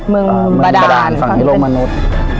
เมืองประดานฝั่งนี้เป็นโลกมนุษย์